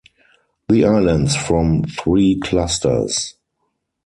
The islands form three clusters.